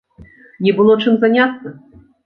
Не было чым заняцца!